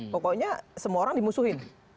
pokoknya semua orang dimusuhin